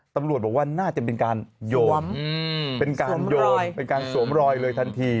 ตำรวจบอกว่าน่าจะเป็นการโยนเป็นการโยนเป็นการสวมรอยเลยทันที